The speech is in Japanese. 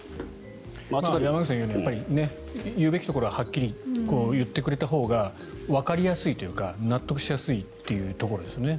山口さんが言うように言うべきことははっきり言ってくれたほうがわかりやすいというか納得しやすいというところです。